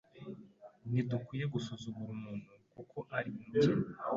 Ntidukwiye gusuzugura umuntu kuko ari umukene.